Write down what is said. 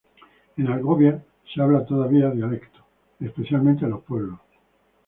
En Algovia se habla todavía dialecto, especialmente en los pueblos.